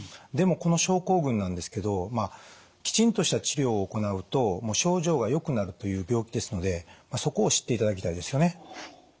でもこの症候群なんですけどきちんとした治療を行うと症状がよくなるという病気ですのでそこを知っていただきたいですよね。